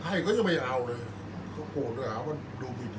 อันไหนที่มันไม่จริงแล้วอาจารย์อยากพูด